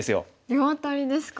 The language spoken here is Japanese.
両アタリですか。